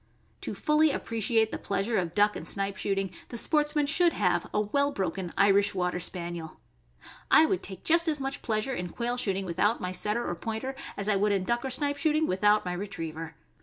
To fully appreciate the pleasure of duck and snipe shoot ing, the sportsman should have a well broken Irish Water Spaniel. I would take just as much pleasure in quail shooting without my Setter or Pointer as I would in duck or snipe shooting without my Retriever.